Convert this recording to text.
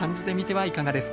はい。